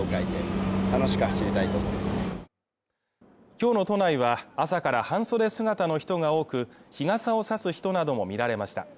今日の都内は朝から半袖姿の人が多く、日傘をさす人なども見られました。